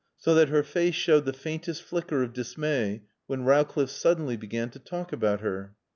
So that her face showed the faintest flicker of dismay when Rowcliffe suddenly began to talk about her.